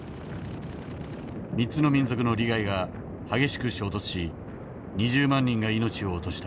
３つの民族の利害が激しく衝突し２０万人が命を落とした。